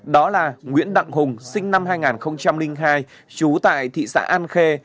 đó là nguyễn đặng hùng sinh năm hai nghìn hai trú tại thị xã an khê